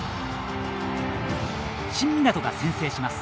新湊が先制します。